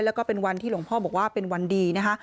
แล้วก็เป็นวันที่หลวงพ่อบอกว่าเป็นวันดีนะคะ